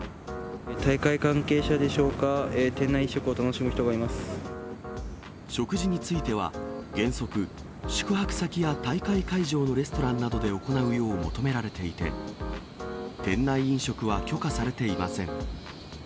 大会関係者でしょうか、食事については、原則、宿泊先や大会会場のレストランなどで行うよう求められていて、店内飲食は許可されていません。